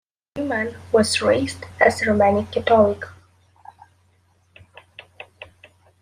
Freeman was raised as a Roman Catholic.